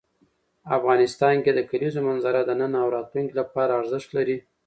افغانستان کې د کلیزو منظره د نن او راتلونکي لپاره ارزښت لري.